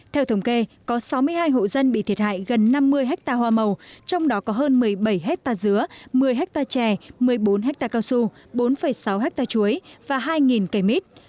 theo thống kê có sáu mươi hai hộ dân bị thiệt hại gần năm mươi hectare hoa màu trong đó có hơn một mươi bảy hectare dứa một mươi hectare chè một mươi bốn hectare cao su bốn sáu ha chuối và hai cây mít